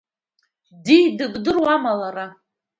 Ди, дыбдыруама лара?